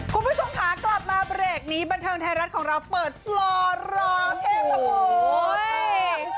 คุณผู้ชมภาคกลับมาเบรกนี้บันทึงไทยรัฐของเราเปิดหล่อหลอเทพบุทธ์